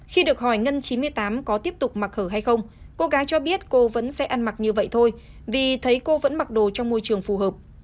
khi được hỏi ngân chín mươi tám có tiếp tục mặc hở hay không cô gái cho biết cô vẫn sẽ ăn mặc như vậy thôi vì thấy cô vẫn mặc đồ trong môi trường phù hợp